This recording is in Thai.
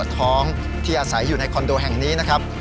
ท้องที่อาศัยอยู่ในคอนโดแห่งนี้นะครับ